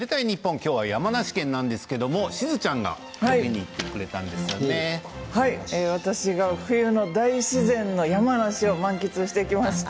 今日は山梨県なんですけどしずちゃんが私が冬の大自然の山梨を満喫してきました。